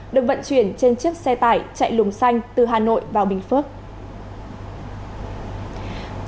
được vận chuyển trên chiếc xe tải chạy lùng xanh từ hà nội vào bình phước